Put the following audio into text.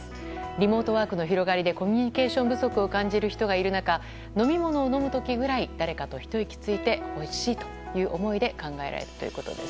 リモートワークの広がりでコミュニケーション不足を感じる人がいる中飲み物を飲む時くらい、誰かとひと息ついてほしいという思いで考えられたということです。